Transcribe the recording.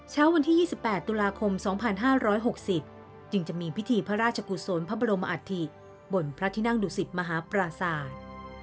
เช้าวันที่๒๘ตุลาคม๒๕๖๐จึงจะมีพิธีพระราชกุศลพระบรมอัฐิบนพระที่นั่งดุสิตมหาปราศาสตร์